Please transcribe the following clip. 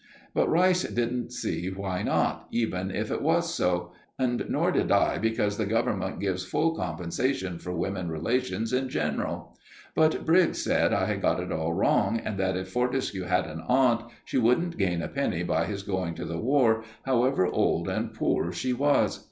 But Rice didn't see why not, even if it was so; and more did I, because the Government gives full compensation for women relations in general; but Briggs said I had got it all wrong, and that if Fortescue had an aunt, she wouldn't gain a penny by his going to the war, however old and poor she was.